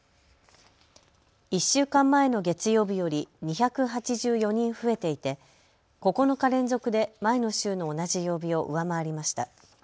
１週間前の月曜日より２８４人増えていて９日連続で前の週の同じ曜日を上回りました。